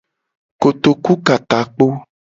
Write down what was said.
Kotoku ka takpo.